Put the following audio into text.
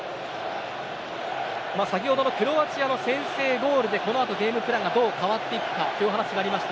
先ほどのクロアチアの先制ゴールでこのあとゲームプランがどう変わっていくかという話がありました。